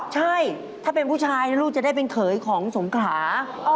ใช่ถ้าเป็นผู้ชายนะลูกจะได้เป็นเขยของสงขลา